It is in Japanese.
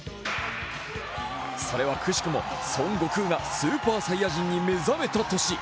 それは、くしくも孫悟空がスーパーサイヤ人に目覚めた年。